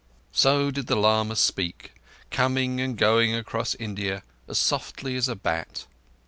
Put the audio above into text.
So did the lama speak, coming and going across India as softly as a bat.